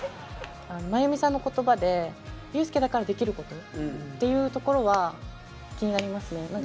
まゆみさんの言葉で「ユースケだからできること」っていうところは気になりますね。